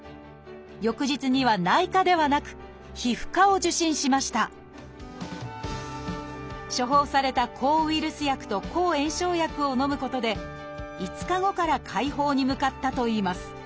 翌日には内科ではなく処方された抗ウイルス薬と抗炎症薬をのむことで５日後から快方に向かったといいます